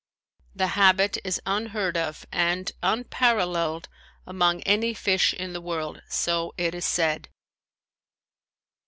The habit is unheard of and unparalleled among any fish in the world, so it is said.